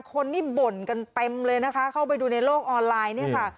คนนี่บ่นกันเต็มเลยนะคะเข้าไปดูในโลกออนไลน์เนี่ยค่ะ